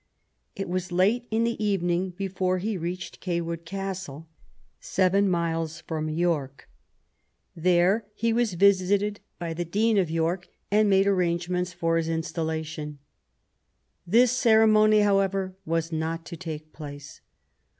It was late in the evening before he reached Cawood Castle, seven miles from York. There he was 3f3o /^ 198 THOMAS WOLSEY chap. visited by the Dean of York, and made arrangements for his installation. This ceremony, however, was not to take place.